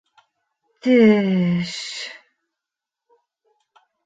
Теш...